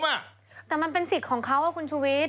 แต่มันเป็นสิทธิ์ของเขาคุณชูวิทย์